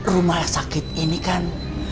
rumah sakit ini kan